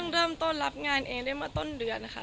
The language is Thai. ขวัญเริ่มต้นรับงานเองเรียงมาต้นเดือนนะคะ